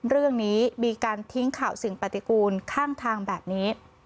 เรื่องนี้มีการทิ้งข่าวสิ่งปฏิกูลข้างทางแบบนี้